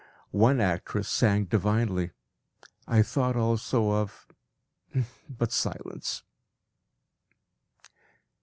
One actress sang divinely. I thought also of but silence!